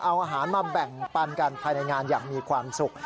เอาอาหารมาแบ่งปันกันภายในงานอย่างมีความสุข